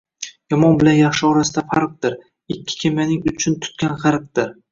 Yomon bilan yaxshi orasida farqdir, ikki kemaning uchin tutgan g'arqdir.